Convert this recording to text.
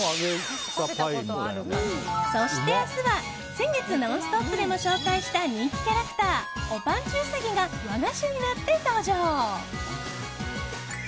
そして明日は、先月「ノンストップ！」でも紹介した人気キャラクターおぱんちゅうさぎが和菓子になって登場。